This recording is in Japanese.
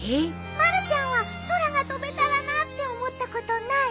まるちゃんは空が飛べたらなって思ったことない？